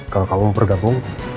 kalau kamu mau bergabung